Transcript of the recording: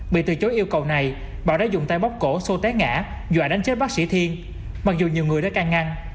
bị từ chối yêu cầu này bảo đã dùng tay bóc cổ xô té ngã dọa đánh chết bác sĩ thiên mặc dù nhiều người đã can ngăn